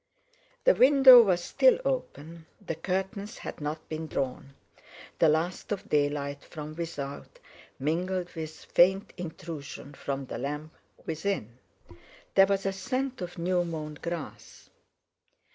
The window was still open, the curtains had not been drawn, the last of daylight from without mingled with faint intrusion from the lamp within; there was a scent of new mown grass.